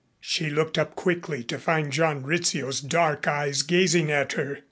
She looked up quickly to find John Rizzio's dark eyes gazing at her.